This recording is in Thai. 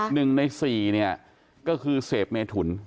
หนึ่งในสี่ก็คือเสพเมถุน